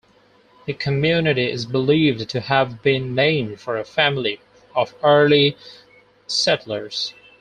The community is believed to have been named for a family of early settlers.